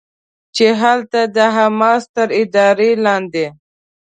چې هلته د حماس تر ادارې لاندې